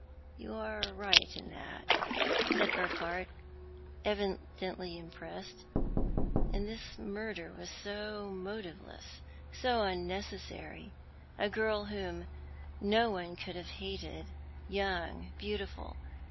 You are right in that," said Urquhart, evidently impressed, "and this murder was so motiveless, so unnecessary ; a girl whom no one could have hated — young, beautiful.